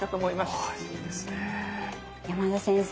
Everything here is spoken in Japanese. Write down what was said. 山田先生